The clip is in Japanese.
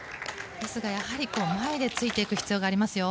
ですがやはり前でついていく必要がありますよ。